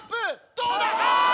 どどうだ